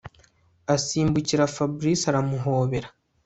asimbukira Fabric aramuhobera